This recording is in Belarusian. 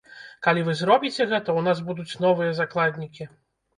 Калі вы зробіце гэта, у нас будуць новыя закладнікі.